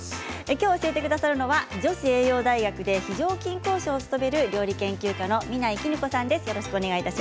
教えてくださるのは女子栄養大学で非常勤講師を務める料理研究家のみないきぬこさんです。